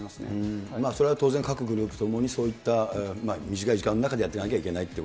それは当然、各グループともにそういった短い時間の中でやっていかなきゃいけ